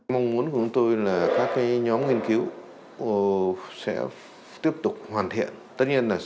mong muốn của chúng tôi là các nhóm nghiên cứu sẽ tiếp tục hoàn thiện